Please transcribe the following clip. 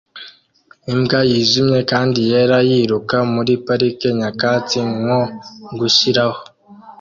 Imbwa yijimye kandi yera yiruka muri parike nyakatsi nko gushiraho